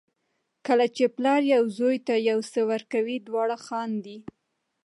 کله چې پلار یو زوی ته یو څه ورکوي دواړه خاندي.